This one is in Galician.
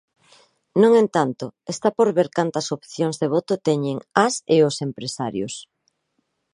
No entanto, está por ver cantas opcións de voto teñen as e os empresarios.